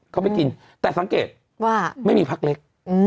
เขาไปกินแต่สังเกตว่าไม่มีพักเล็ก